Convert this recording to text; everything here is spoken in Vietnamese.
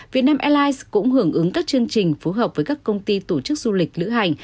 vietnam airlines cũng hưởng ứng các chương trình phù hợp với các công ty tổ chức du lịch lữ hành